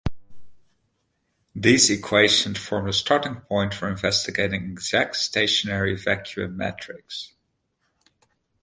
These equations form the starting point for investigating exact stationary vacuum metrics.